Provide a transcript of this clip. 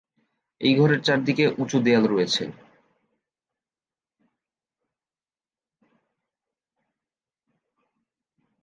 এই ঘরের চারদিকে উঁচু দেয়াল রয়েছে।